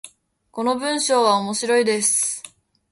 この文章は面白いです。